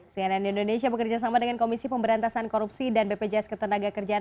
cnn indonesia bekerjasama dengan komisi pemberantasan korupsi dan bpjs ketenaga kerjaan